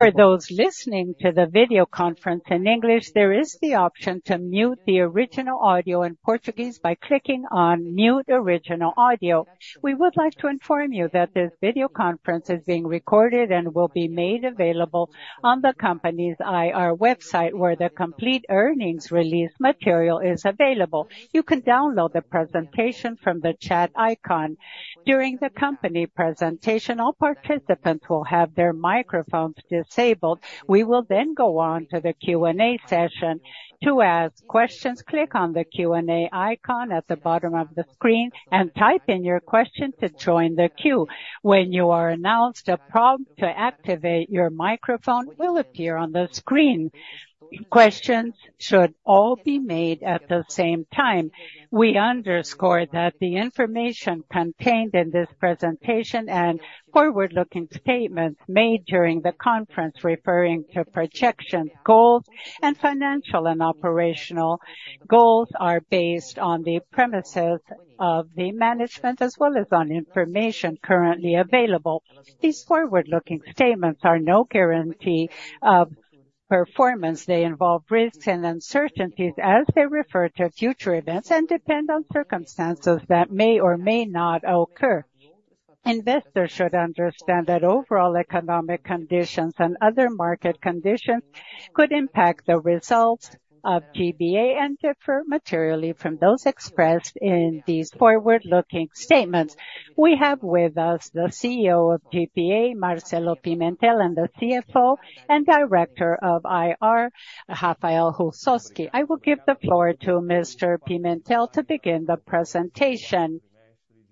For those listening to the video conference in English, there is the option to mute the original audio in Portuguese by clicking on Mute Original Audio. We would like to inform you that this video conference is being recorded and will be made available on the company's IR website, where the complete earnings release material is available. You can download the presentation from the chat icon. During the company presentation, all participants will have their microphones disabled. We will then go on to the Q&A session. To ask questions, click on the Q&A icon at the bottom of the screen and type in your question to join the queue. When you are announced, a prompt to activate your microphone will appear on the screen. Questions should all be made at the same time. We underscore that the information contained in this presentation and forward-looking statements made during the conference, referring to projection goals and financial and operational goals, are based on the premises of the management as well as on information currently available. These forward-looking statements are no guarantee of performance. They involve risks and uncertainties as they refer to future events and depend on circumstances that may or may not occur. Investors should understand that overall economic conditions and other market conditions could impact the results of GPA and differ materially from those expressed in these forward-looking statements. We have with us the Chief Executive Officer of GPA, Marcelo Pimentel, and the Chief Financial Officer and Director of IR, Rafael Russowsky. I will give the floor to Mr. Pimentel to begin the presentation.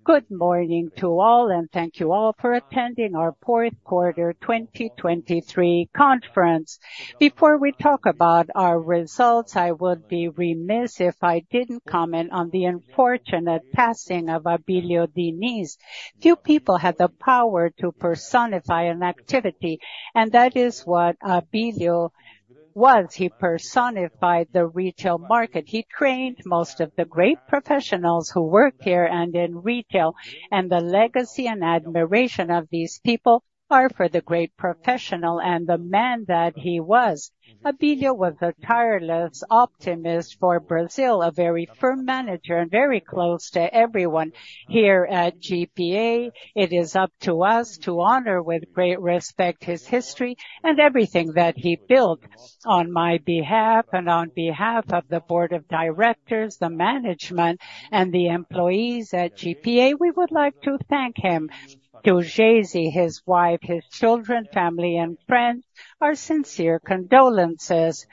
Good morning to all, and thank you all for attending our fourth quarter 2023 conference. Before we talk about our results, I would be remiss if I didn't comment on the unfortunate passing of Abílio Diniz. Few people had the power to personify an activity, and that is what Abílio was. He personified the retail market. He trained most of the great professionals who work here and in retail, and the legacy and admiration of these people are for the great professional and the man that he was. Abílio was a tireless optimist for Brazil, a very firm manager and very close to everyone here at GPA. It is up to us to honor with great respect, his history and everything that he built. On my behalf and on behalf of the board of directors, the management, and the employees at GPA, we would like to thank him. To Geyze, his wife, his children, family and friends, our sincere condolences.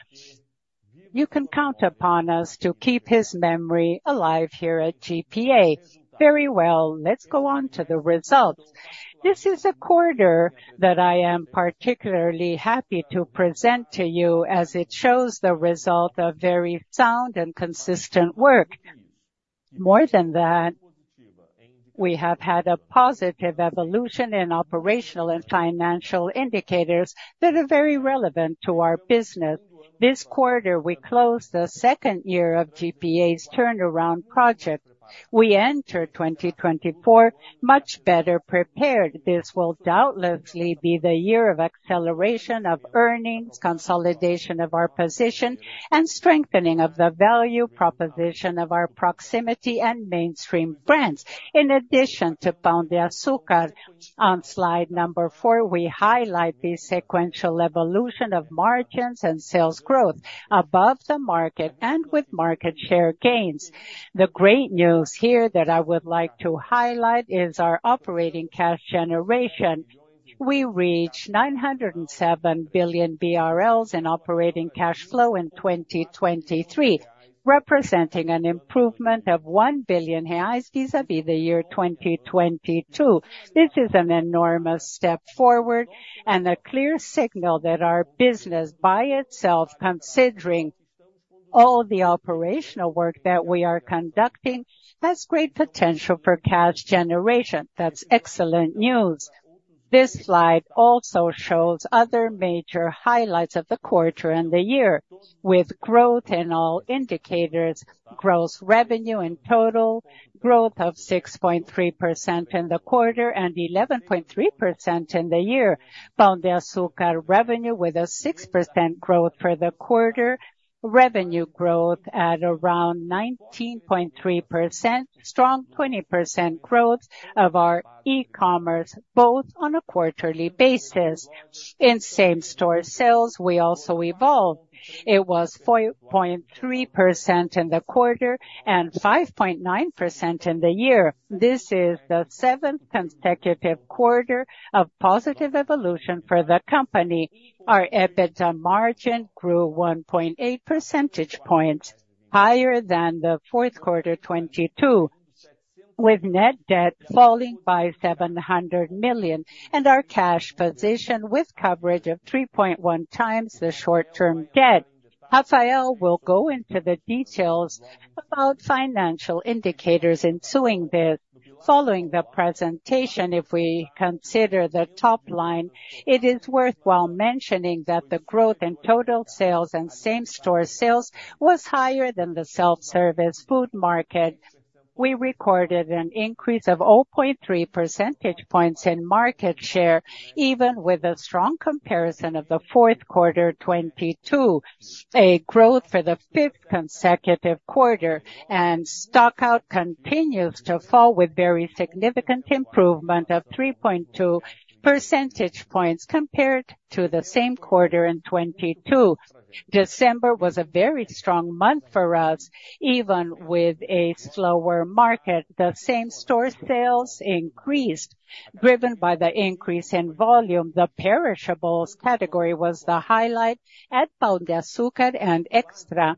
You can count upon us to keep his memory alive here at GPA. Very well, let's go on to the results. This is a quarter that I am particularly happy to present to you, as it shows the result of very sound and consistent work. More than that, we have had a positive evolution in operational and financial indicators that are very relevant to our business. This quarter, we closed the second year of GPA's turnaround project. We entered 2024 much better prepared. This will doubtlessly be the year of acceleration of earnings, consolidation of our position, and strengthening of the value proposition of our proximity and mainstream brands. In addition to Gold de Açúcar, on slide number four, we highlight the sequential evolution of margins and sales growth above the market and with market share gains. The great news here that I would like to highlight is our operating cash generation. We reached 907 million BRL in operating cash flow in 2023, representing an improvement of 1 billion reais vis-à-vis the year 2022. This is an enormous step forward and a clear signal that our business, by itself, considering all the operational work that we are conducting, has great potential for cash generation. That's excellent news! This slide also shows other major highlights of the quarter and the year, with growth in all indicators, gross revenue in total, growth of 6.3% in the quarter and 11.3% in the year. Gold de Açúcar revenue with a 6% growth for the quarter. Revenue growth at around 19.3%. Strong 20% growth of our e-commerce, both on a quarterly basis. In same-store sales, we also evolved. It was 4.3% in the quarter and 5.9% in the year. This is the 7th consecutive quarter of positive evolution for the company. Our EBITDA margin grew 1.8 percentage points higher than the fourth quarter 2022, with net debt falling by 700 million, and our cash position with coverage of 3.1 times the short-term debt. Rafael will go into the details about financial indicators following the presentation. If we consider the top line, it is worthwhile mentioning that the growth in total sales and same-store sales was higher than the self-service food market. We recorded an increase of 0.3 percentage points in market share, even with a strong comparison of the fourth quarter 2022, a growth for the fifth consecutive quarter, and stock out continues to fall with very significant improvement of 3.2 percentage points compared to the same quarter in 2022. December was a very strong month for us, even with a slower market. The same-store sales increased, driven by the increase in volume. The perishables category was the highlight at Gold de Açúcar and Extra.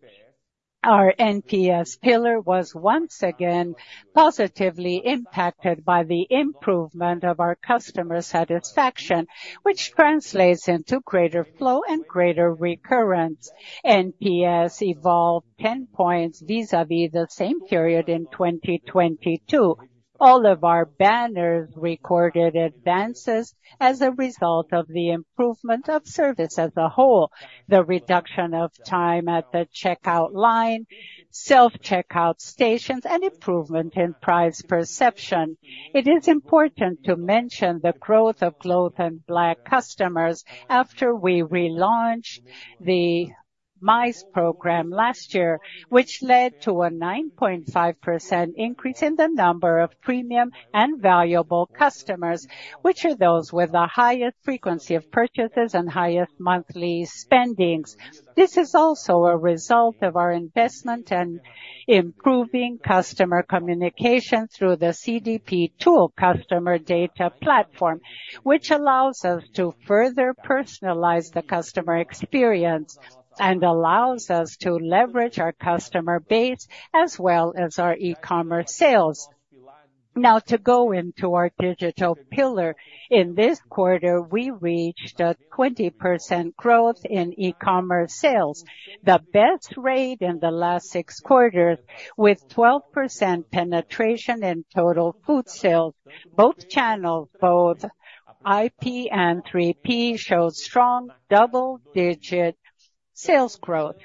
Our NPS pillar was once again positively impacted by the improvement of our customer satisfaction, which translates into greater flow and greater recurrence. NPS evolved 10 points vis-à-vis the same period in 2022. All of our banners recorded advances as a result of the improvement of service as a whole, the reduction of time at the checkout line, self-checkout stations, and improvement in price perception. It is important to mention the growth of Gold and Black customers after we relaunched the Mais program last year, which led to a 9.5% increase in the number of premium and valuable customers, which are those with the highest frequency of purchases and highest monthly spendings. This is also a result of our investment in improving customer communication through the CDP tool, Customer Data Platform, which allows us to further personalize the customer experience and allows us to leverage our customer base as well as our e-commerce sales. Now, to go into our digital pillar. In this quarter, we reached a 20% growth in e-commerce sales, the best rate in the last 6 quarters, with 12% penetration in total food sales. Both channels, both 1P and 3P, showed strong double-digit sales growth.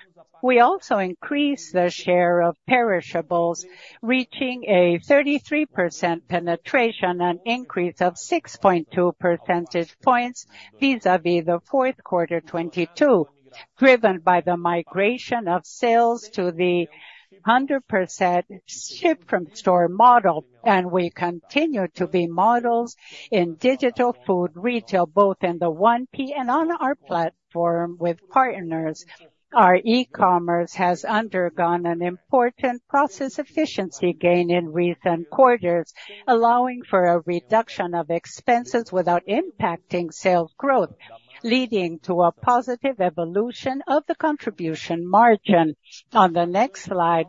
We also increased the share of perishables, reaching a 33% penetration, an increase of 6.2 percentage points vis-à-vis the fourth quarter 2022, driven by the migration of sales to the 100% ship from store model, and we continue to be models in digital food retail, both in the 1P and on our platform with partners. Our e-commerce has undergone an important process efficiency gain in recent quarters, allowing for a reduction of expenses without impacting sales growth, leading to a positive evolution of the contribution margin. On the next slide,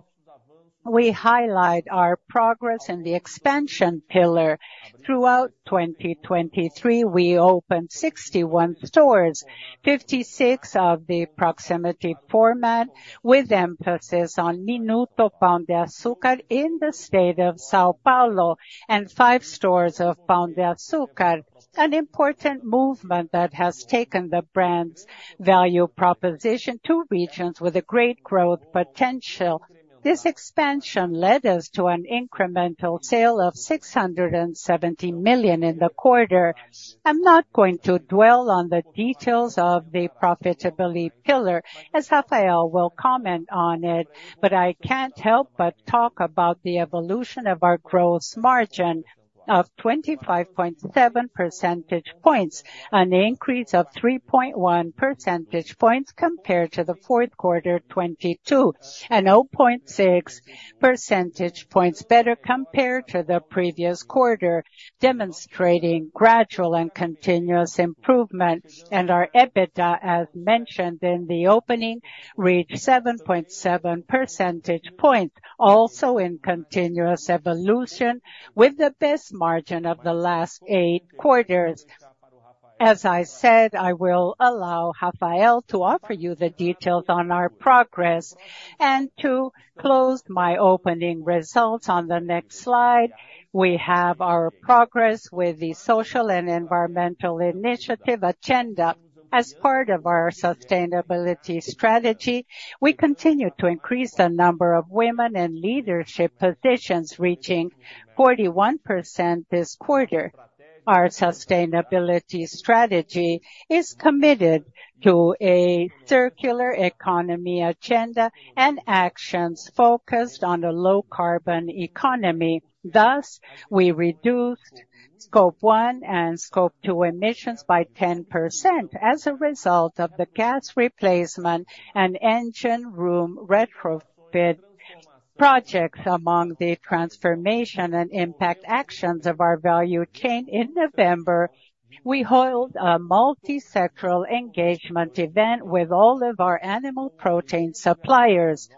we highlight our progress in the expansion pillar. Throughout 2023, we opened 61 stores, 56 of the proximity format, with emphasis on Minuto Gold de Açúcar in the state of São Paulo, and five stores of Gold de Açúcar, an important movement that has taken the brand's value proposition to regions with a great growth potential. This expansion led us to an incremental sales of 670 million in the quarter. I'm not going to dwell on the details of the profitability pillar, as Rafael will comment on it, but I can't help but talk about the evolution of our gross margin of 25.7 percentage points, an increase of 3.1 percentage points compared to the fourth quarter 2022, and 0.6 percentage points better compared to the previous quarter, demonstrating gradual and continuous improvement. Our EBITDA, as mentioned in the opening, reached 7.7 percentage points, also in continuous evolution, with the best margin of the last 8 quarters. As I said, I will allow Rafael to offer you the details on our progress, and to close my opening results. On the next slide, we have our progress with the social and environmental initiative agenda. As part of our sustainability strategy, we continue to increase the number of women in leadership positions, reaching 41% this quarter. Our sustainability strategy is committed to a circular economy agenda and actions focused on a low carbon economy. Thus, we reduced scope one and scope two emissions by 10% as a result of the gas replacement and engine room retrofit projects. Among the transformation and impact actions of our value chain in November, we held a multisectoral engagement event with all of our animal protein suppliers,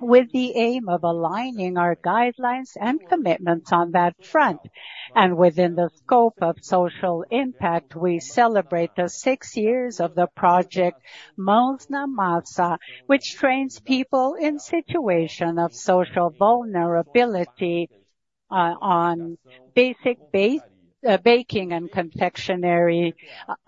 with the aim of aligning our guidelines and commitments on that front. Within the scope of social impact, we celebrate the six years of the project, Mãos na Massa, which trains people in situation of social vulnerability on basic baking and confectionery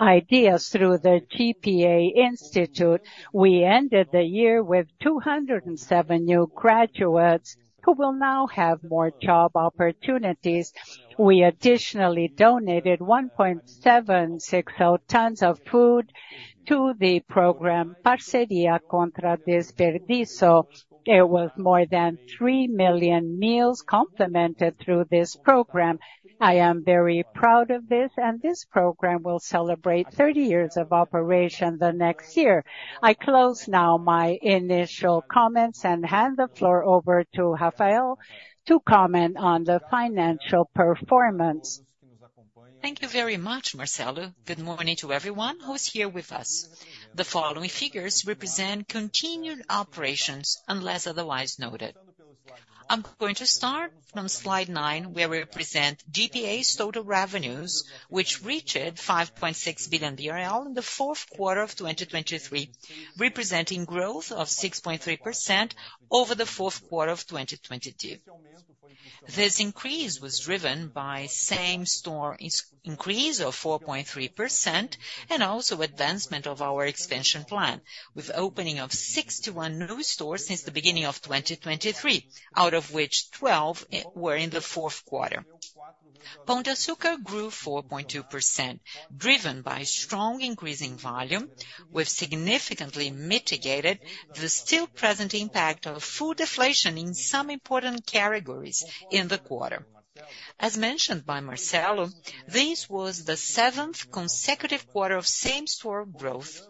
ideas through the GPA Institute. We ended the year with 207 new graduates, who will now have more job opportunities. We additionally donated 1.760 tons of food to the program, Parceria Contra o Desperdício. There was more than 3 million meals complemented through this program. I am very proud of this, and this program will celebrate 30 years of operation the next year. I close now my initial comments and hand the floor over to Rafael to comment on the financial performance. Thank you very much, Marcelo. Good morning to everyone who is here with us. The following figures represent continued operations, unless otherwise noted. I'm going to start from slide 9, where we represent GPA's total revenues, which reached 5.6 billion BRL in the fourth quarter of 2023, representing growth of 6.3% over the fourth quarter of 2022. This increase was driven by same-store increase of 4.3%, and also advancement of our expansion plan, with opening of 61 new stores since the beginning of 2023, out of which 12 were in the fourth quarter. Gold de Açúcar grew 4.2%, driven by strong increasing volume, which significantly mitigated the still present impact of food deflation in some important categories in the quarter. As mentioned by Marcelo, this was the seventh consecutive quarter of same-store growth.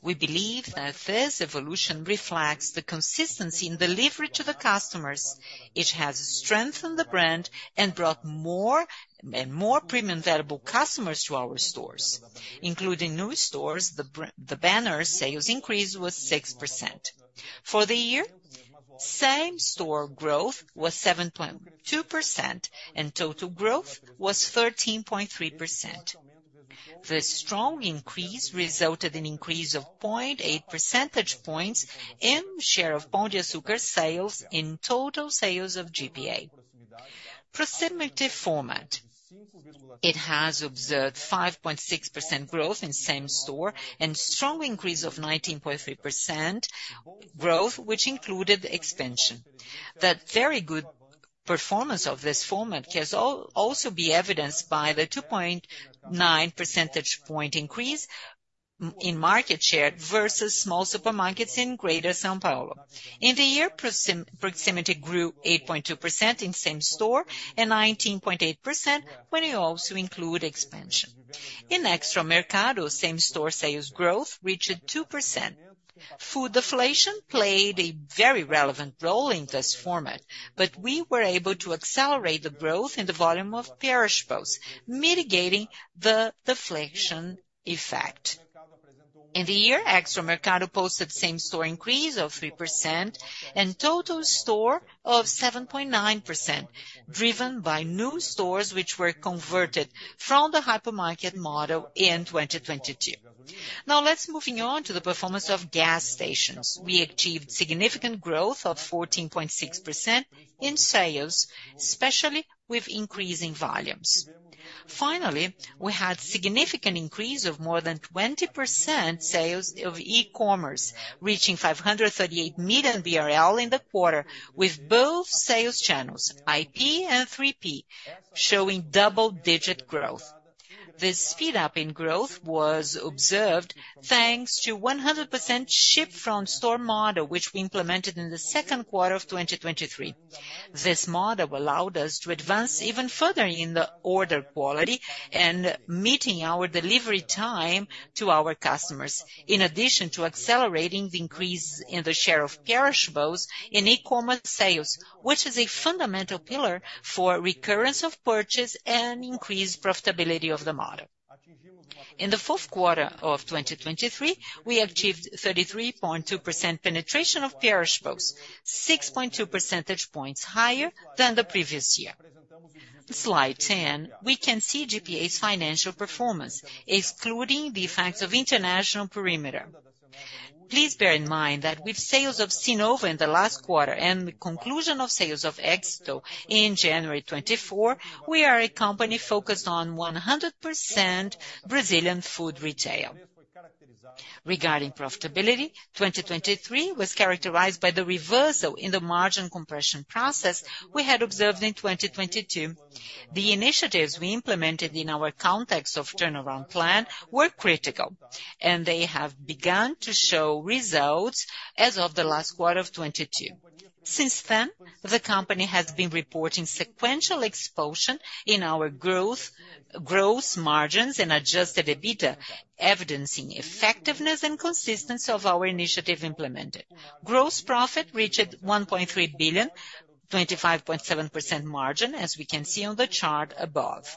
We believe that this evolution reflects the consistency in delivery to the customers, which has strengthened the brand and brought more and more premium valuable customers to our stores. Including new stores, the banner's sales increase was 6%. For the year, same-store growth was 7.2%, and total growth was 13.3%. This strong increase resulted in increase of 0.8 percentage points in share of Gold de Açúcar sales in total sales of GPA. Proximity format: it has observed 5.6% growth in same-store, and strong increase of 19.3% growth, which included expansion. That very good performance of this format can also be evidenced by the 2.9 percentage point increase in market share, versus small supermarkets in Greater São Paulo. In the year, proximity grew 8.2% in same-store and 19.8% when you also include expansion. In Extra Mercado, same-store sales growth reached 2%. Food deflation played a very relevant role in this format, but we were able to accelerate the growth in the volume of perishables, mitigating the deflation effect. In the year, Extra Mercado posted same-store increase of 3% and total store of 7.9%, driven by new stores which were converted from the hypermarket model in 2022. Now, let's move on to the performance of gas stations. We achieved significant growth of 14.6% in sales, especially with increasing volumes. Finally, we had significant increase of more than 20% sales of e-commerce, reaching 538 million BRL in the quarter, with both sales channels, 1P and 3P, showing double-digit growth. This speed-up in growth was observed thanks to 100% ship from store model, which we implemented in the second quarter of 2023. This model allowed us to advance even further in the order quality and meeting our delivery time to our customers, in addition to accelerating the increase in the share of perishables in e-commerce sales, which is a fundamental pillar for recurrence of purchase and increased profitability of the model. In the fourth quarter of 2023, we achieved 33.2% penetration of perishables, 6.2 percentage points higher than the previous year. Slide 10, we can see GPA's financial performance, excluding the effects of international perimeter. Please bear in mind that with sales of Cnova in the last quarter and the conclusion of sales of Extra in January 2024, we are a company focused on 100% Brazilian food retail. Regarding profitability, 2023 was characterized by the reversal in the margin compression process we had observed in 2022. The initiatives we implemented in our context of turnaround plan were critical, and they have begun to show results as of the last quarter of 2022. Since then, the company has been reporting sequential expansion in our growth, gross margins and adjusted EBITDA, evidencing effectiveness and consistency of our initiatives implemented. Gross profit reached 1.3 billion, 25.7% margin, as we can see on the chart above.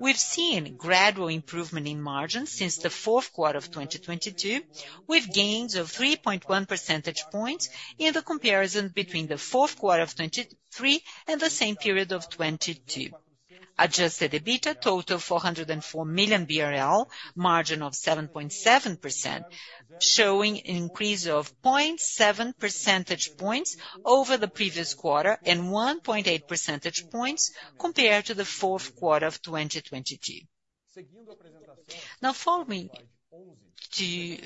We've seen gradual improvement in margins since the fourth quarter of 2022, with gains of 3.1 percentage points in the comparison between the fourth quarter of 2023 and the same period of 2022. Adjusted EBITDA total, 404 million BRL, margin of 7.7%, showing an increase of 0.7 percentage points over the previous quarter and 1.8 percentage points compared to the fourth quarter of 2022. Now following to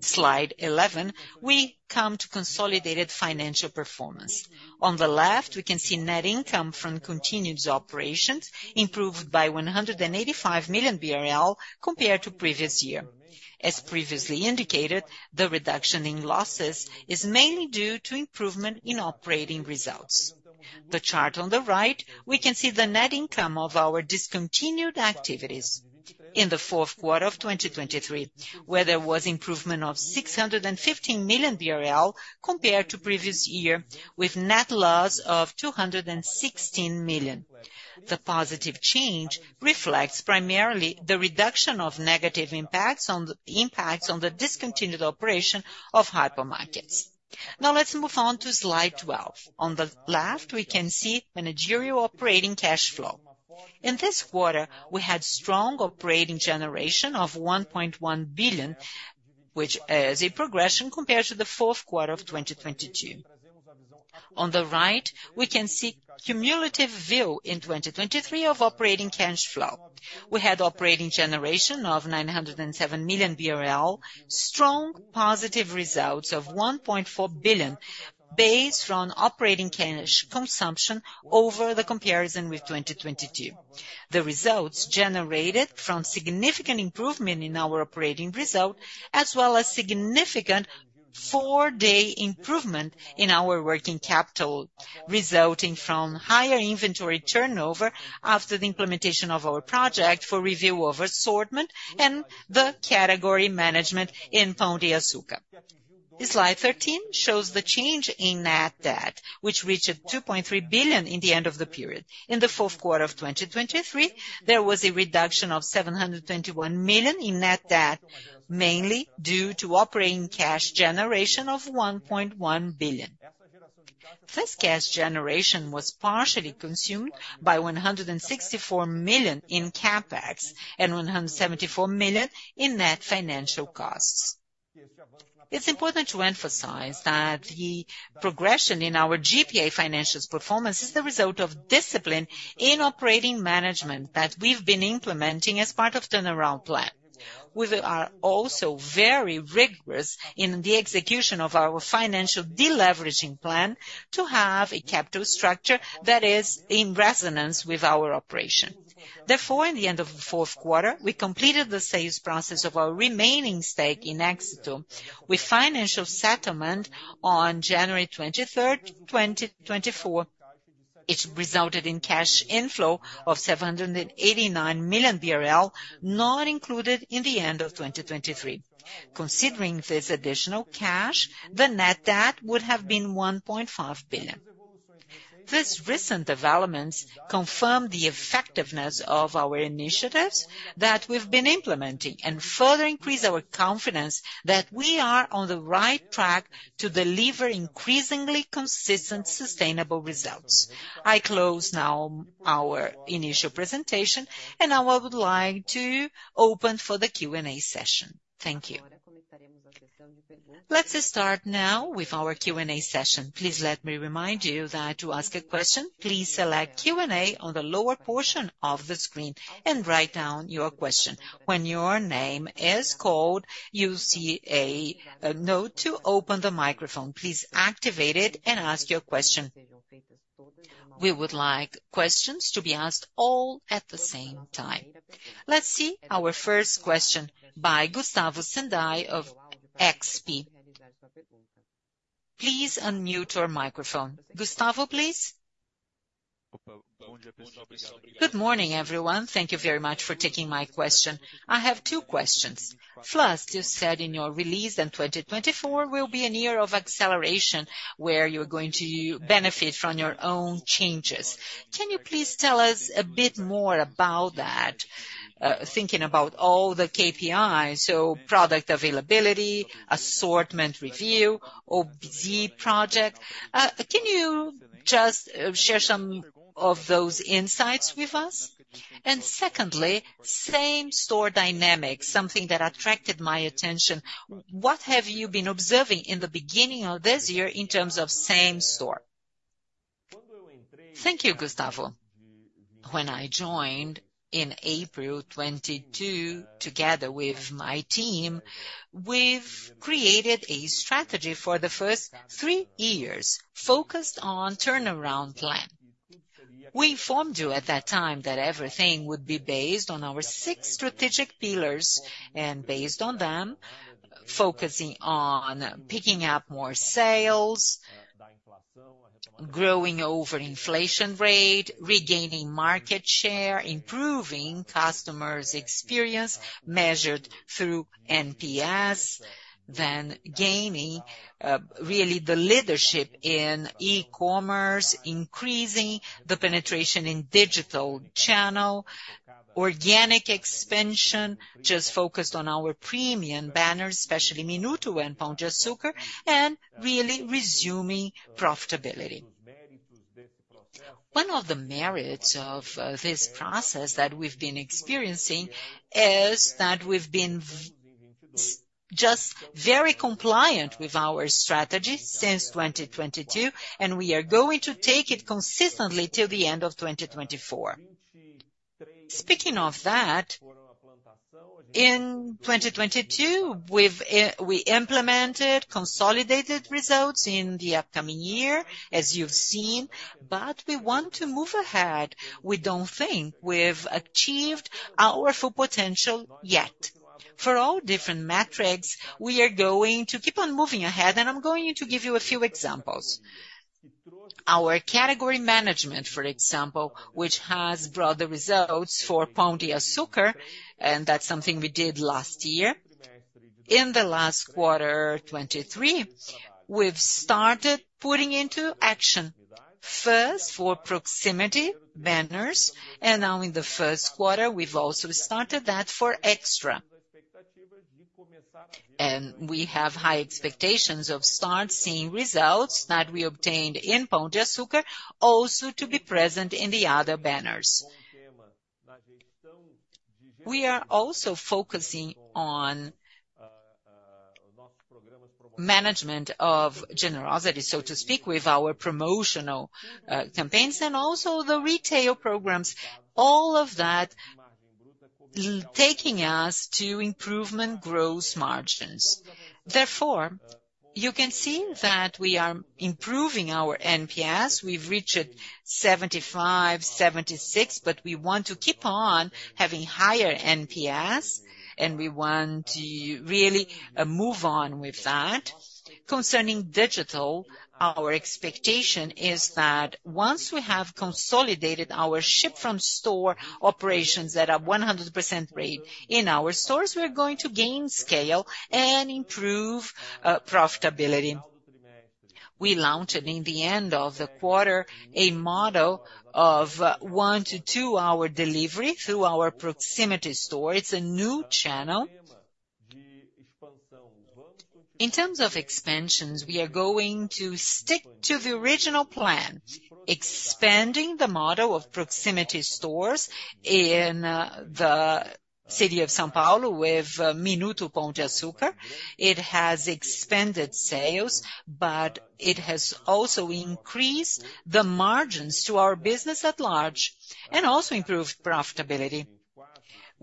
slide 11, we come to consolidated financial performance. On the left, we can see net income from continued operations improved by 185 million BRL compared to previous year. As previously indicated, the reduction in losses is mainly due to improvement in operating results. The chart on the right, we can see the net income of our discontinued activities. In the fourth quarter of 2023, where there was improvement of 615 million BRL compared to previous year, with net loss of 216 million. The positive change reflects primarily the reduction of negative impacts on the impacts on the discontinued operation of hypermarkets. Now let's move on to slide 12. On the left, we can see managerial operating cash flow. In this quarter, we had strong operating generation of 1.1 billion, which is a progression compared to the fourth quarter of 2022. On the right, we can see cumulative view in 2023 of operating cash flow. We had operating generation of 907 million BRL, strong positive results of 1.4 billion, based on operating cash consumption over the comparison with 2022. The results generated from significant improvement in our operating result, as well as significant four-day improvement in our working capital, resulting from higher inventory turnover after the implementation of our project for review of assortment and the category management in Gold de Açúcar. The Slide 13 shows the change in net debt, which reached 2.3 billion in the end of the period. In the fourth quarter of 2023, there was a reduction of 721 million in net debt, mainly due to operating cash generation of 1.1 billion. This cash generation was partially consumed by 164 million in CapEx and 174 million in net financial costs. It's important to emphasize that the progression in our GPA financials performance is the result of discipline in operating management that we've been implementing as part of turnaround plan. We are also very rigorous in the execution of our financial deleveraging plan to have a capital structure that is in resonance with our operation. Therefore, in the end of the fourth quarter, we completed the sales process of our remaining stake in Éxito, with financial settlement on January 23, 2024. It resulted in cash inflow of 789 million BRL, not included in the end of 2023. Considering this additional cash, the net debt would have been 1.5 billion. These recent developments confirm the effectiveness of our initiatives that we've been implementing, and further increase our confidence that we are on the right track to deliver increasingly consistent, sustainable results. I close now our initial presentation, and now I would like to open for the Q&A session. Thank you. Let's start now with our Q&A session. Please let me remind you that to ask a question, please select Q&A on the lower portion of the screen and write down your question. When your name is called, you'll see a note to open the microphone. Please activate it and ask your question. We would like questions to be asked all at the same time. Let's see our first question by Gustavo Senday of XP. Please unmute your microphone. Gustavo, please? Good morning, everyone. Thank you very much for taking my question. I have two questions. First, you said in your release that 2024 will be a year of acceleration, where you're going to benefit from your own changes. Can you please tell us a bit more about that, thinking about all the KPIs, so product availability, assortment review, OBZ project. Can you just share some of those insights with us? And secondly, same-store dynamics, something that attracted my attention. What have you been observing in the beginning of this year in terms of same-store? Thank you, Gustavo. When I joined in April 2022, together with my team, we've created a strategy for the first three years focused on turnaround plan. We informed you at that time that everything would be based on our six strategic pillars, and based on them, focusing on picking up more sales, growing over inflation rate, regaining market share, improving customers' experience measured through NPS, then gaining really the leadership in e-commerce, increasing the penetration in digital channel, organic expansion, just focused on our premium banners, especially Minuto and Gold de Açúcar, and really resuming profitability. One of the merits of this process that we've been experiencing is that it's just very compliant with our strategy since 2022, and we are going to take it consistently till the end of 2024. Speaking of that, in 2022, we've we implemented consolidated results in the upcoming year, as you've seen, but we want to move ahead. We don't think we've achieved our full potential yet. For all different metrics, we are going to keep on moving ahead, and I'm going to give you a few examples. Our category management, for example, which has brought the results for Gold de Açúcar, and that's something we did last year. In the last quarter, 2023, we've started putting into action first for proximity banners, and now in the first quarter, we've also started that for Extra. And we have high expectations of start seeing results that we obtained in Gold de Açúcar also to be present in the other banners. We are also focusing on management of generosity, so to speak, with our promotional campaigns and also the retail programs, all of that taking us to improvement gross margins. Therefore, you can see that we are improving our NPS. We've reached 75, 76, but we want to keep on having higher NPS, and we want to really move on with that. Concerning digital, our expectation is that once we have consolidated our Ship from Store operations at a 100% rate in our stores, we're going to gain scale and improve profitability. We launched in the end of the quarter, a model of one to two hour delivery through our proximity store. It's a new channel. In terms of expansions, we are going to stick to the original plan, expanding the model of proximity stores in the city of São Paulo with Minuto Gold de Açúcar. It has expanded sales, but it has also increased the margins to our business at large and also improved profitability.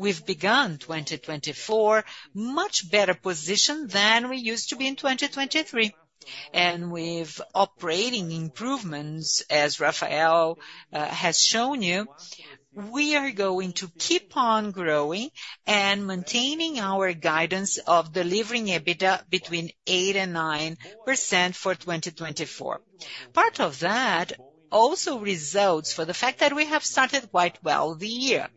We've begun 2024, much better position than we used to be in 2023. With operating improvements, as Rafael has shown you, we are going to keep on growing and maintaining our guidance of delivering EBITDA between 8% and 9% for 2024. Part of that also results for the fact that we have started quite well the year.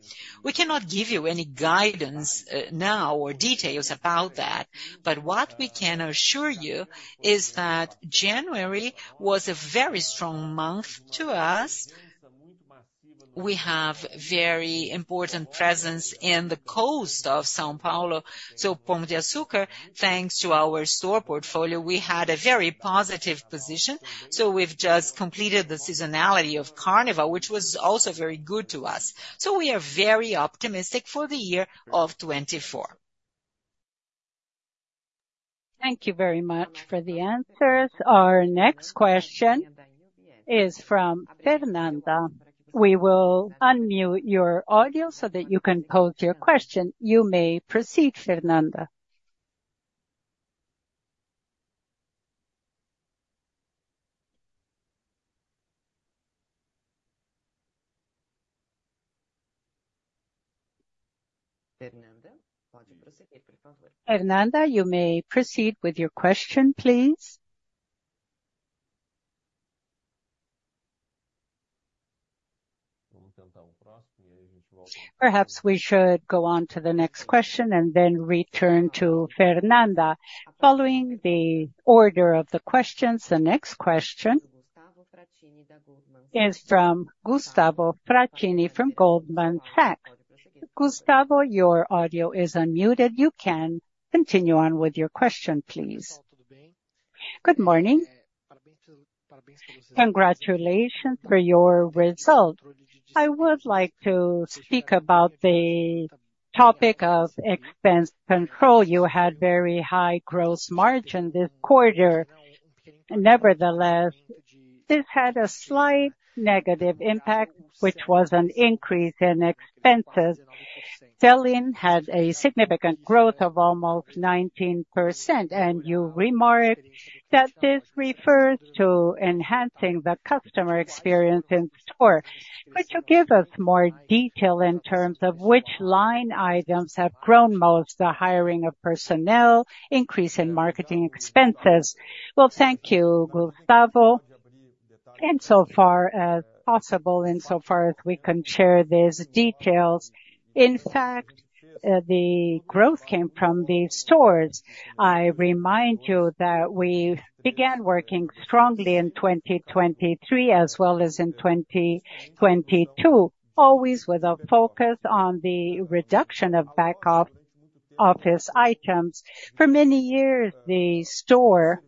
We cannot give you any guidance now or details about that, but what we can assure you is that January was a very strong month to us. We have very important presence in the coast of São Paulo, so Gold de Açúcar, thanks to our store portfolio, we had a very positive position. So we've just completed the seasonality of Carnival, which was also very good to us. So we are very optimistic for the year of 2024. Thank you very much for the answers. Our next question is from Fernanda. We will unmute your audio so that you can pose your question. You may proceed, Fernanda. Fernanda, you may proceed with your question, please. Perhaps we should go on to the next question and then return to Fernanda. Following the order of the questions, the next question is from Gustavo Fratini from Goldman Sachs. Gustavo, your audio is unmuted. You can continue on with your question, please. Good morning. Congratulations for your result. I would like to speak about the topic of expense control. You had very high gross margin this quarter. Nevertheless, this had a slight negative impact, which was an increase in expenses. Selling had a significant growth of almost 19%, and you remarked that this refers to enhancing the customer experience in store. Could you give us more detail in terms of which line items have grown most, the hiring of personnel, increase in marketing expenses? Well, thank you, Gustavo. Insofar as possible, insofar as we can share these details, in fact, the growth came from the stores. I remind you that we began working strongly in 2023 as well as in 2022, always with a focus on the reduction of back-up office items. For many years, the store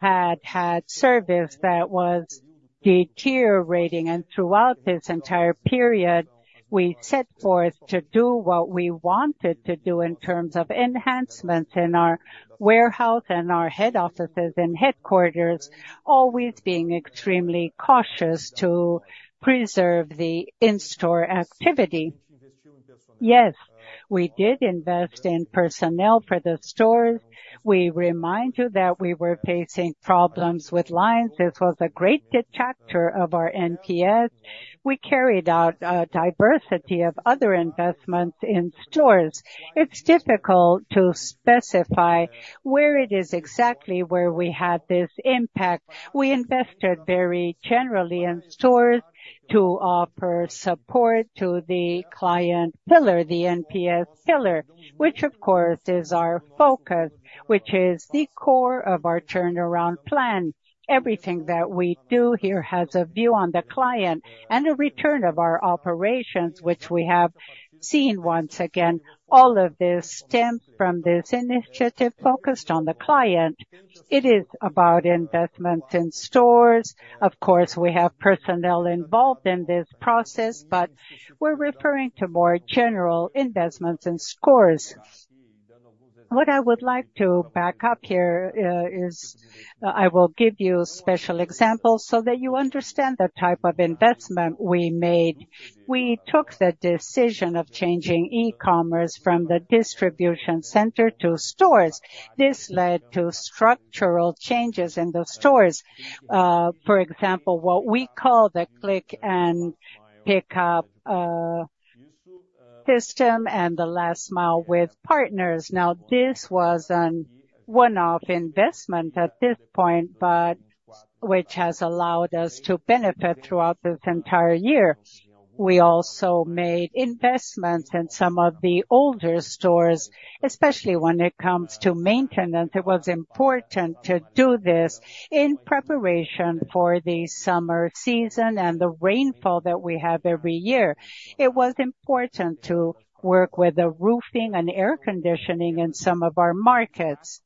had service that was deteriorating, and throughout this entire period, we set forth to do what we wanted to do in terms of enhancements in our warehouse and our head offices and headquarters, always being extremely cautious to preserve the in-store activity. Yes, we did invest in personnel for the stores. We remind you that we were facing problems with lines. This was a great detractor of our NPS. We carried out a diversity of other investments in stores. It's difficult to specify where it is exactly where we had this impact. We invested very generally in stores to offer support to the client pillar, the NPS pillar, which of course, is our focus, which is the core of our turnaround plan. Everything that we do here has a view on the client and a return of our operations, which we have seen once again, all of this stemmed from this initiative focused on the client. It is about investments in stores. Of course, we have personnel involved in this process, but we're referring to more general investments in stores. What I would like to back up here is I will give you special examples so that you understand the type of investment we made. We took the decision of changing e-commerce from the distribution center to stores. This led to structural changes in the stores. For example, what we call the click and pickup system and the last mile with partners. Now, this was a one-off investment at this point, but which has allowed us to benefit throughout this entire year. We also made investments in some of the older stores, especially when it comes to maintenance. It was important to do this in preparation for the summer season and the rainfall that we have every year. It was important to work with the roofing and air conditioning in some of our markets.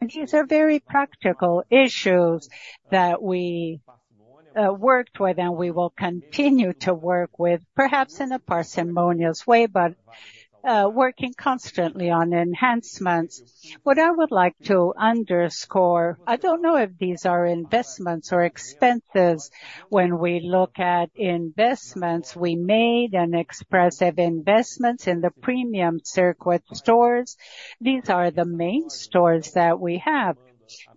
These are very practical issues that we worked with, and we will continue to work with, perhaps in a parsimonious way, but working constantly on enhancements. What I would like to underscore, I don't know if these are investments or expenses. When we look at investments, we made an expressive investments in the premium circuit stores. These are the main stores that we have.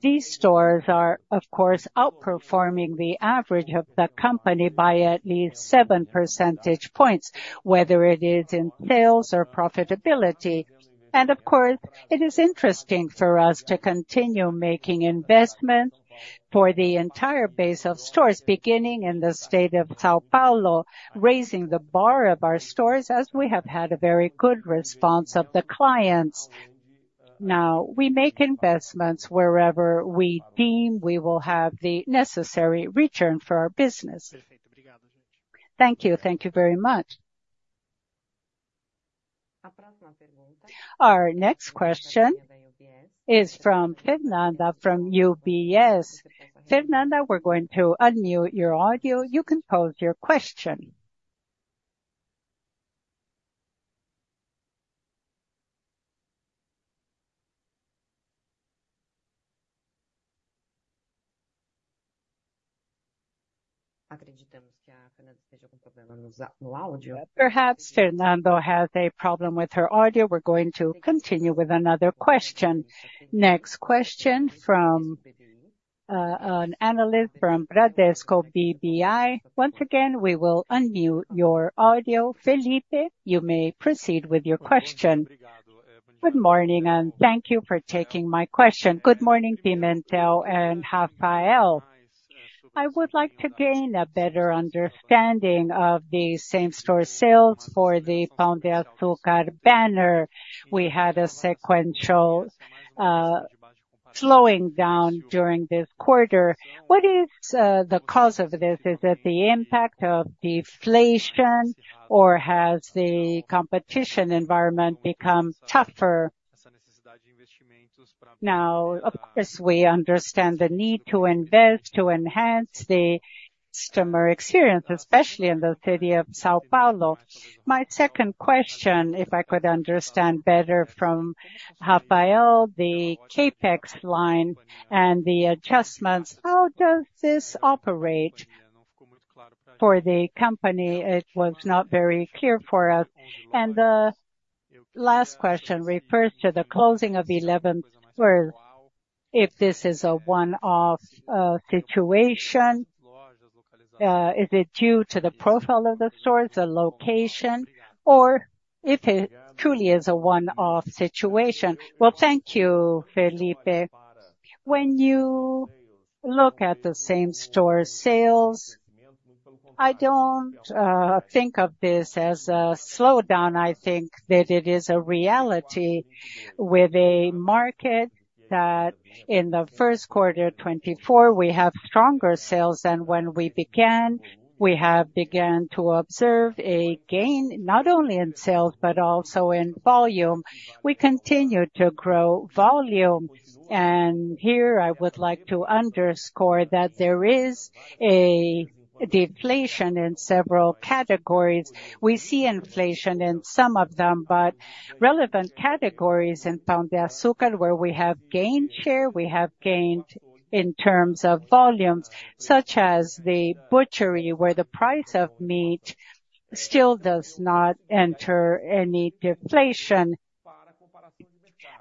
These stores are, of course, outperforming the average of the company by at least seven percentage points, whether it is in sales or profitability. Of course, it is interesting for us to continue making investment for the entire base of stores, beginning in the state of São Paulo, raising the bar of our stores as we have had a very good response of the clients. Now, we make investments wherever we deem we will have the necessary return for our business. Thank you. Thank you very much. Our next question is from Fernanda, from UBS. Fernanda, we're going to unmute your audio. You can pose your question. Perhaps Fernanda has a problem with her audio. We're going to continue with another question. Next question from, an analyst from Bradesco BBI. Once again, we will unmute your audio. Felipe, you may proceed with your question. Good morning, and thank you for taking my question. Good morning, Pimentel and Rafael. I would like to gain a better understanding of the same-store sales for the Gold de Açúcar banner. We had a sequential slowing down during this quarter. What is the cause of this? Is it the impact of deflation, or has the competition environment become tougher? Now, of course, we understand the need to invest to enhance the customer experience, especially in the city of São Paulo. My second question, if I could understand better from Rafael, the CapEx line and the adjustments, how does this operate for the company? It was not very clear for us. The last question refers to the closing of 11 stores, where if this is a one-off situation, is it due to the profile of the stores, the location, or if it truly is a one-off situation? Well, thank you, Felipe. When you look at the same-store sales,I don't think of this as a slowdown. I think that it is a reality with a market that in the first quarter, 2024, we have stronger sales than when we began. We have begun to observe a gain not only in sales, but also in volume. We continue to grow volume, and here I would like to underscore that there is a deflation in several categories. We see inflation in some of them, but relevant categories in Gold de Açúcar, where we have gained share, we have gained in terms of volumes, such as the butchery, where the price of meat still does not enter any deflation.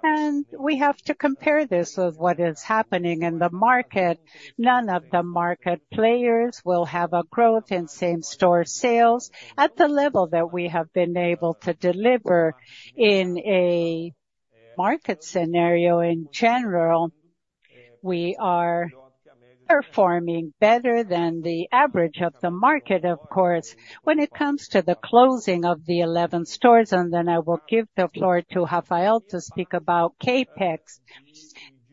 And we have to compare this with what is happening in the market. None of the market players will have a growth in same-store sales at the level that we have been able to deliver. In a market scenario, in general, we are performing better than the average of the market, of course. When it comes to the closing of the 11 stores, and then I will give the floor to Rafael to speak about CapEx.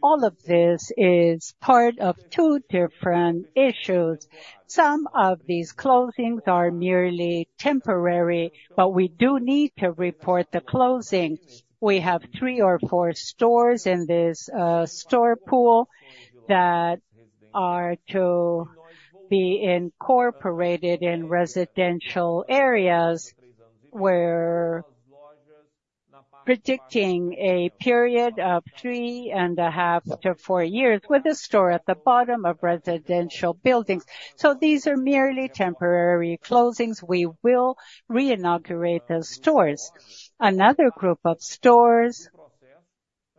All of this is part of two different issues. Some of these closings are merely temporary, but we do need to report the closings. We have three or four stores in this store pool that are to be incorporated in residential areas. We're predicting a period of 3.5-4 years with a store at the bottom of residential buildings. So these are merely temporary closings. We will reinaugurate those stores. Another group of stores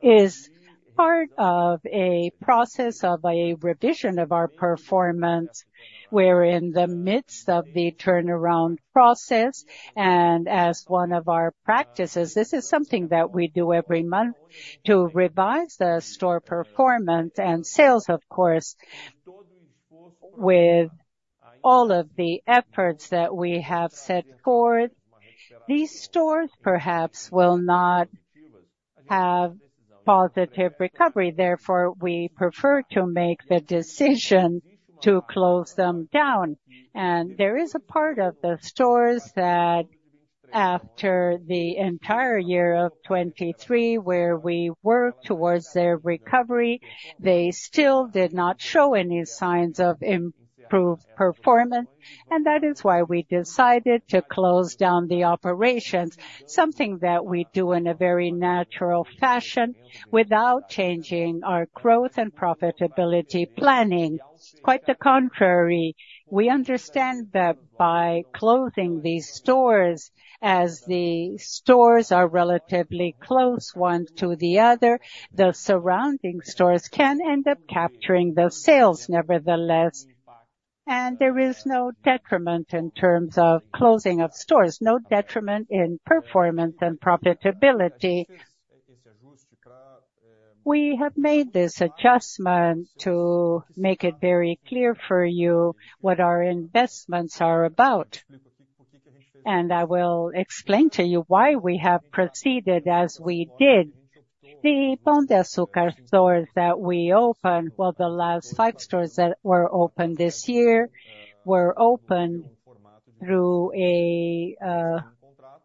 is part of a process of a revision of our performance. We're in the midst of the turnaround process, and as one of our practices, this is something that we do every month to revise the store performance and sales, of course. With all of the efforts that we have set forth, these stores perhaps will not have positive recovery, therefore, we prefer to make the decision to close them down. There is a part of the stores that after the entire year of 2023, where we worked towards their recovery, they still did not show any signs of improved performance, and that is why we decided to close down the operations, something that we do in a very natural fashion without changing our growth and profitability planning. Quite the contrary, we understand that by closing these stores, as the stores are relatively close, one to the other, the surrounding stores can end up capturing the sales nevertheless. There is no detriment in terms of closing of stores, no detriment in performance and profitability. We have made this adjustment to make it very clear for you what our investments are about, and I will explain to you why we have proceeded as we did. The Gold de Açúcar stores that we opened, well, the last five stores that were opened this year, were opened through a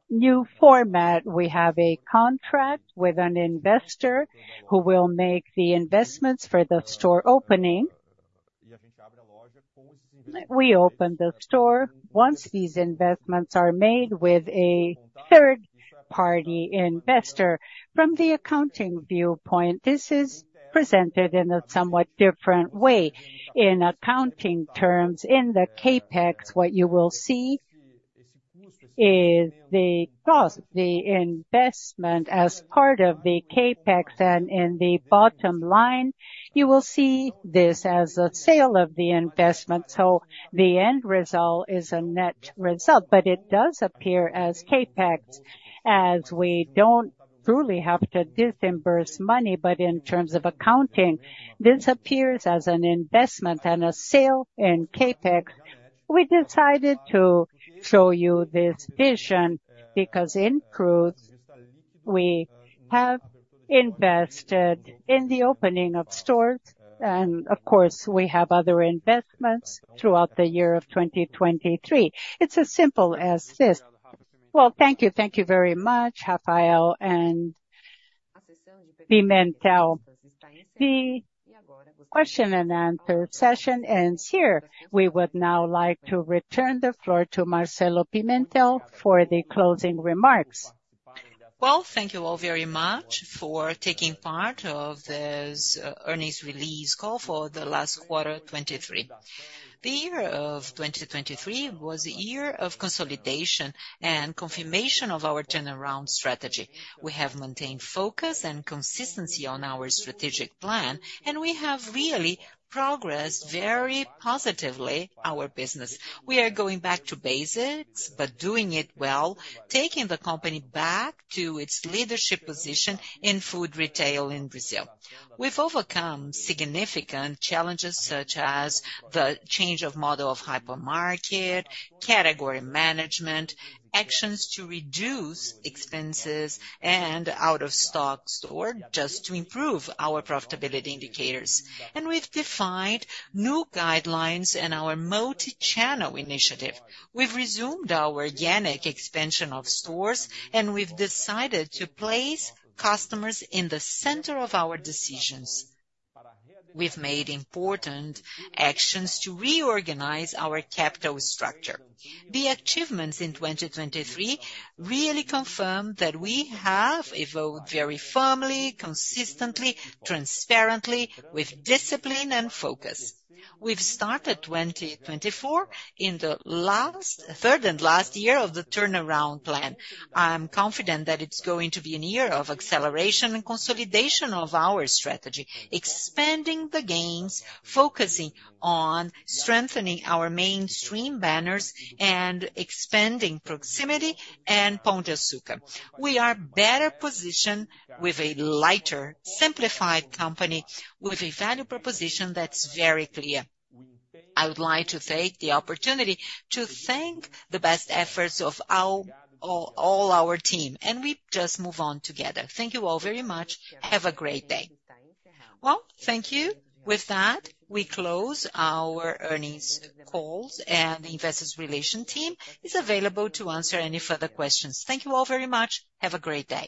new format. We have a contract with an investor who will make the investments for the store opening. We open the store once these investments are made with a third-party investor. From the accounting viewpoint, this is presented in a somewhat different way. In accounting terms, in the CapEx, what you will see is the cost, the investment as part of the CapEx, and in the bottom line, you will see this as a sale of the investment. So the end result is a net result, but it does appear as CapEx, as we don't truly have to disburse money. But in terms of accounting, this appears as an investment and a sale in CapEx. We decided to show you this version because in truth, we have invested in the opening of stores, and of course, we have other investments throughout the year of 2023. It's as simple as this. Well, thank you. Thank you very much, Rafael and Pimentel. The question and answer session ends here. We would now like to return the floor to Marcelo Pimentel for the closing remarks. Well, thank you all very much for taking part of this earnings release call for the last quarter, 2023. The year of 2023 was a year of consolidation and confirmation of our turnaround strategy. We have maintained focus and consistency on our strategic plan, and we have really progressed very positively, our business. We are going back to basics, but doing it well, taking the company back to its leadership position in food retail in Brazil. We've overcome significant challenges, such as the change of model of hypermarket, category management, actions to reduce expenses and out-of-stocks, or just to improve our profitability indicators. We've defined new guidelines in our multi-channel initiative. We've resumed our organic expansion of stores, and we've decided to place customers in the center of our decisions. We've made important actions to reorganize our capital structure. The achievements in 2023 really confirm that we have evolved very firmly, consistently, transparently, with discipline and focus. We've started 2024 in the third and last year of the turnaround plan. I'm confident that it's going to be a year of acceleration and consolidation of our strategy, expanding the gains, focusing on strengthening our mainstream banners, and expanding proximity and Gold de Açúcar. We are better positioned with a lighter, simplified company, with a value proposition that's very clear. I would like to take the opportunity to thank the best efforts of our all our team, and we just move on together. Thank you all very much. Have a great day. Well, thank you. With that, we close our earnings calls, and the Investor Relations team is available to answer any further questions. Thank you all very much. Have a great day.